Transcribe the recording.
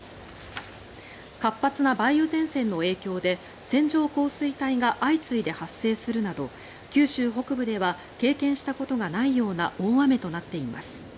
活発な梅雨前線の影響で線状降水帯が相次いで発生するなど九州北部では経験したことがないような大雨となっています。